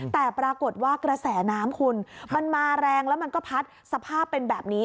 แต่ปรากฏว่ากระแสน้ำคุณมันมาแรงแล้วมันก็พัดสภาพเป็นแบบนี้